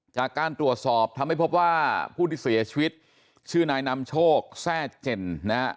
จากการตรวจสอบทำให้พบว่าผู้ที่เสียชีวิตชื่อนายนำโชคแทร่เจ่นนะฮะ